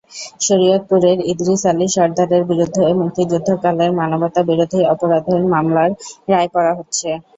শরীয়তপুরের ইদ্রিস আলী সরদারের বিরুদ্ধে মুক্তিযুদ্ধকালের মানবতাবিরোধী অপরাধের মামলার রায় পড়া হচ্ছে।